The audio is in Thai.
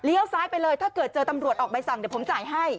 ซ้ายไปเลยถ้าเกิดเจอตำรวจออกใบสั่งเดี๋ยวผมจ่ายให้